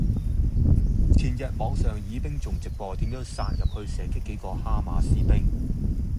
前日網上以兵仲直播點樣殺入去射擊幾個哈馬斯兵。